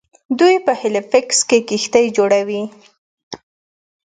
دوی په هیلیفیکس کې کښتۍ جوړوي.